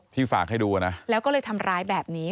ฝากให้ดูนะแล้วก็เลยทำร้ายแบบนี้